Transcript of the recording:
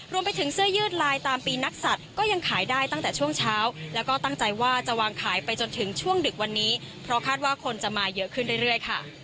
รวมไปถึงเสื้อยืดลายตามปีนักสัตว์ก็ยังขายได้ตั้งแต่ช่วงเช้าแล้วก็ตั้งใจว่าจะวางขายไปจนถึงช่วงดึกวันนี้เพราะคาดว่าคนจะมาเยอะขึ้นเรื่อยค่ะ